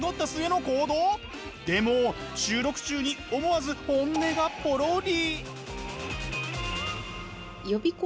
でも収録中に思わず本音がポロリ。